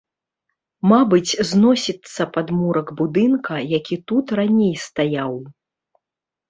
Мабыць, зносіцца падмурак будынка, які тут раней стаяў.